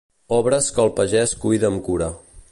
Obres que el pagès cuida amb cura.